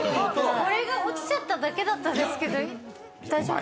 これが落ちちゃっただけなんですけど大丈夫ですか？